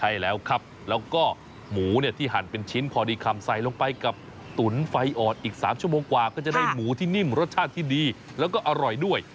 ใช่แล้วครับแล้วก็หมูเนี่ยที่หั่นเป็นชิ้นพอดีคำใส่ลงไปกับตุ๋นไฟอ่อนอีก๓ชั่วโมงกว่าก็จะได้หมูที่นิ่มรสชาติที่ดีแล้วก็อร่อยด้วย